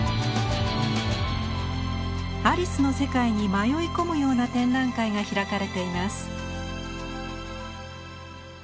アリスの世界に迷い込むような展覧会が開かれています。